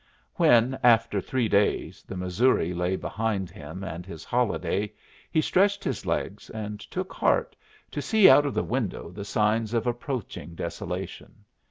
When, after three days, the Missouri lay behind him and his holiday, he stretched his legs and took heart to see out of the window the signs of approaching desolation.